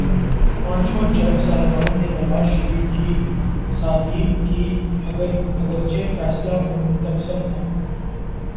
پانچوں جج صاحبان نے نواز شریف کی تادیب کی، اگرچہ فیصلہ منقسم تھا۔